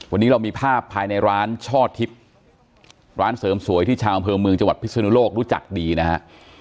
วันนี้เรามีภาพภายในร้านช่อทิพย์ร้านเสริมสวยที่ชาวอำเภอเมืองจังหวัดพิศนุโลกรู้จักดีนะฮะ